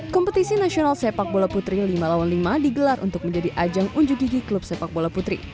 kompetisi nasional sepak bola putri lima lawan lima digelar untuk menjadi ajang unjuk gigi klub sepak bola putri